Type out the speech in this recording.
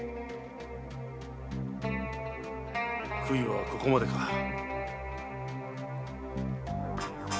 杭はここまでか。